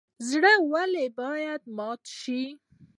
زړه ولې باید مات نشي؟